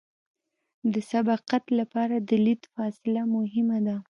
د سبقت لپاره د لید فاصله مهمه ده